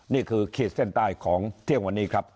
ขีดเส้นใต้ของเที่ยงวันนี้ครับ